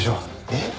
えっ？